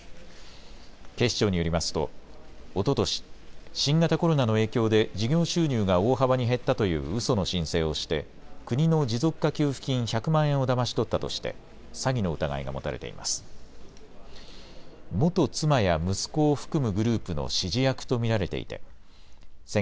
警視庁によりますと、おととし新型コロナの影響で事業収入が大幅に減ったといううその申請をして国の持続化給付金１００万円をだまし取ったとして詐欺の疑いが持たれています。